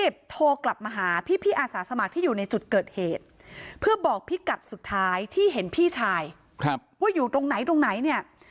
บอกพี่กัดสุดท้ายที่เห็นพี่ชายว่าอยู่ตรงไหนตรงไหนเนี่ย